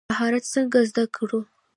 مهارت څنګه زده کړو؟